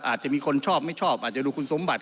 อาจจะมีคนชอบไม่ชอบอาจจะดูคุณสมบัติ